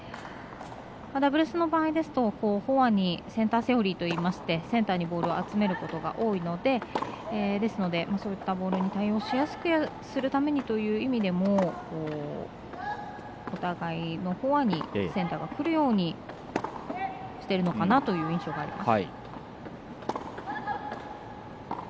ダブルスの場合ですと、フォアにセンターセオリーといいましてセンターにボールを集めることが多いのでそういったボールに対応しやすくするためという意味でもお互いのフォアにセンターがくるようにしているのかなという印象があります。